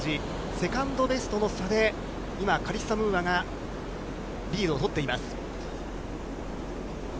セカンドベストの差で今カリッサ・ムーアがリードを取っています。